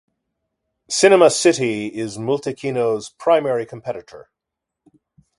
Cinema City is Multikino's primary competitor.